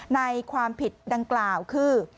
ในความผิดดังกล่าวคือ